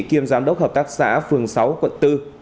kiêm giám đốc hợp tác xã phường sáu quận bốn